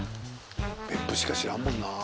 別府しか知らんもん。